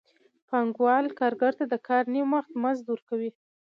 پانګوال کارګر ته د کار نیم وخت مزد ورکوي